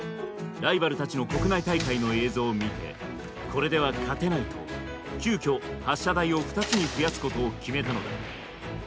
ライバルたちの国内大会の映像を見て「これでは勝てない」と急遽発射台を２つに増やすことを決めたのだ。